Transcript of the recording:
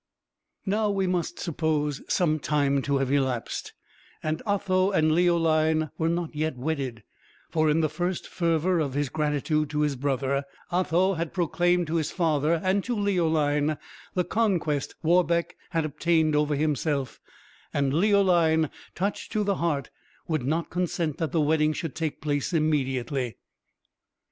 We must suppose some time to have elapsed, and Otho and Leoline were not yet wedded; for, in the first fervour of his gratitude to his brother, Otho had proclaimed to his father and to Leoline the conquest Warbeck had obtained over himself; and Leoline, touched to the heart, would not consent that the wedding should take place immediately.